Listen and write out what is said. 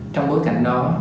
trong bối cảnh đó